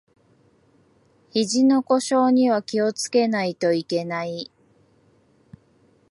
ひじの故障には気をつけないといけない